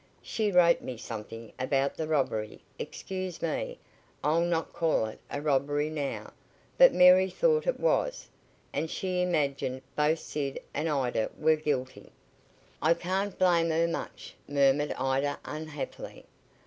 She wrote me something about the robbery excuse me, I'll not call it a robbery now but Mary thought it was, and she imagined both Sid and Ida were guilty." "I can't blame her much," murmured Ida unhappily.